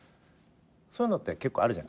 そういうのって結構あるじゃん。